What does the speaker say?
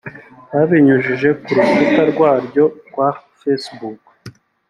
babinyujije ku rukuta rwaryo rwa Facebook